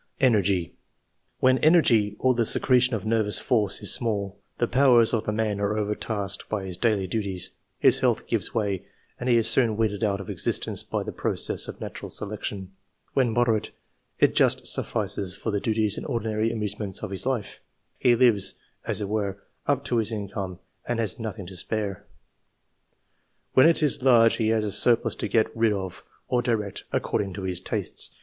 ENERGY. When energy, or the secretion of nervous force, is small, the powers of the man are overtasked by his daily duties, his health gives way, and he is soon weeded out of existence by the process of natural selection ; when moderate, it just suffices for the duties and ordinary amuse ments of his life : he lives, as it were, up to his income, and has nothing to spare. When it is large, he has a surplus to get rid of, or direct, according to his tastes.